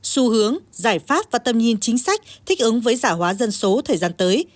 xu hướng giải pháp và tầm nhìn chính sách thích ứng với giả hóa dân số thời gian tới